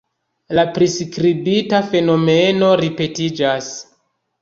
La priskribita fenomeno ripetiĝas.